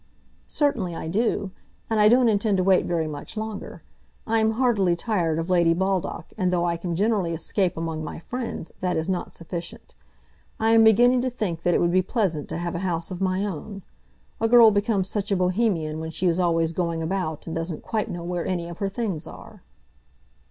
"Certainly I do. And I don't intend to wait very much longer. I am heartily tired of Lady Baldock, and though I can generally escape among my friends, that is not sufficient. I am beginning to think that it would be pleasant to have a house of my own. A girl becomes such a Bohemian when she is always going about, and doesn't quite know where any of her things are."